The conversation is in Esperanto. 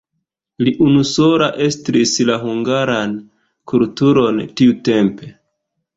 Li unusola estris la hungaran kulturon tiutempe.